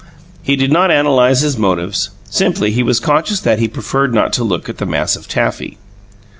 He did not analyze his motives: simply, he was conscious that he preferred not to look at the mass of taffy.